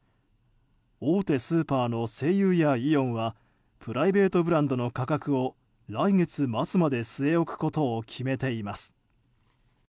大手スーパーの西友やイオンはプライベートブランドの価格を来月末まで据え置くことを決めています。